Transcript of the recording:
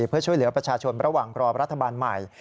เพื่อช่วยเหลือประชาชนระหว่างรอรัฐบาลใหม่